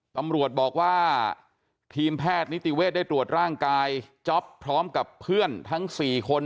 ตำรวจบอกว่าทีมแพทย์นิติเวศได้ตรวจร่างกายจ๊อปพร้อมกับเพื่อนทั้ง๔คน